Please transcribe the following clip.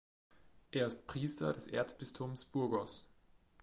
Er ist Priester des Erzbistums Burgos.